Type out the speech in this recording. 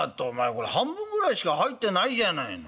これ半分ぐらいしか入ってないじゃないの。